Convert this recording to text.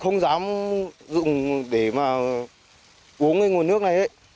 chiathairus với tiên phong